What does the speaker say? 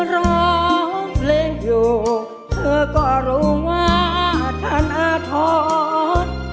รอเล่นอยู่เธอก็รู้ว่าฉันอาทธรรม